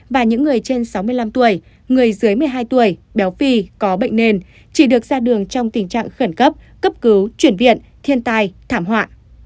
sáu mươi năm tuổi người dưới một mươi hai tuổi béo phi có bệnh nền chỉ được ra đường trong tình trạng khẩn cấp cấp cứu chuyển viện thiên tai thảm họa